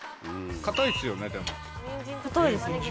硬いですよねでも。